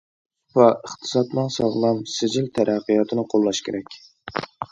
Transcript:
سۇپا ئىقتىسادىنىڭ ساغلام، سىجىل تەرەققىياتىنى قوللاش كېرەك.